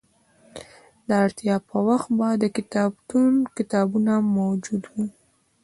د اړتیا په وخت به د کتابتون کتابونه موجود وو.